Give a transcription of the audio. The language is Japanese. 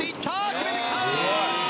決めてきた！